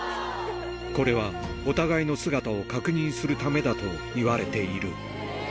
これは、お互いの姿を確認するためだといわれている。